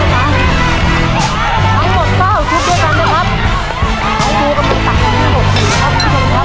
ทั้งหมดเจ้าชุดด้วยกันนะครับขนาดนี้กำลังตัดขนาดนี้หมดสินะครับ